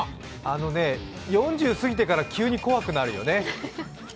あのね、４０過ぎてから急に怖くなるよね。